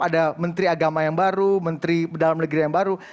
ada menteri agama yang baru menteri dalam negeri yang baru